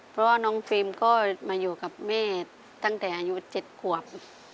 เพราะว่าน้องฟิล์มก็มาอยู่กับแม่ตั้งแต่อายุ๗ขวบ